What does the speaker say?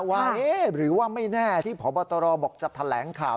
ว่าหรือว่าไม่แน่ที่พบตรบอกจะแถลงข่าว